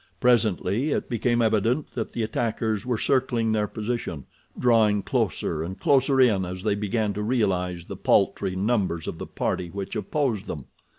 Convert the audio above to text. Presently it became evident that the attackers were circling their position, drawing closer and closer in as they began to realize the paltry numbers of the party which opposed them.